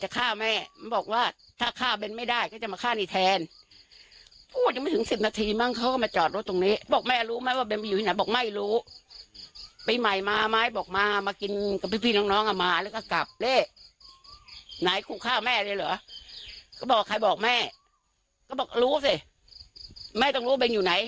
ก็บอกลูกสิแม่ต้องรู้เฮ้ยอยู่ไหน